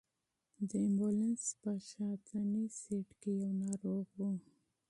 د امبولانس په شاتني سېټ کې یو ناروغ و.